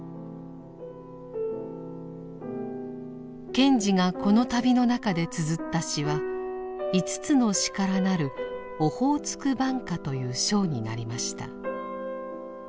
賢治がこの旅の中でつづった詩は５つの詩からなる「オホーツク挽歌」という章になりました。